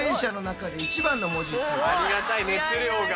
ありがたい熱量が。